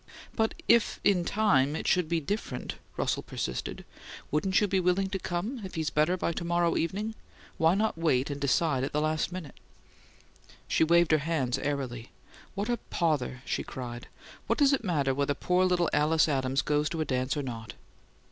"But if this time it should be different," Russell persisted; "wouldn't you be willing to come if he's better by to morrow evening? Why not wait and decide at the last minute?" She waved her hands airily. "What a pother!" she cried. "What does it matter whether poor little Alice Adams goes to a dance or not?"